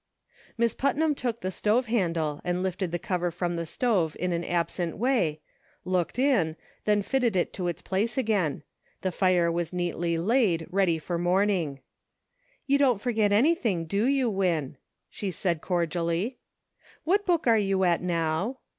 Miss Putnam took the stove handle and lifted the cover from the stove in an absent way, looked in, then fitted it to its place again ; the fire was neatly laid, ready for morning. " You don't for get anything, do you, Win ?" she said cordially. " What book are you at now